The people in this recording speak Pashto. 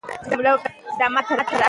د نويو ونو ساتنه وکړئ.